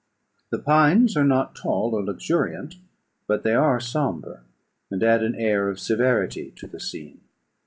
The pines are not tall or luxuriant, but they are sombre, and add an air of severity to the scene.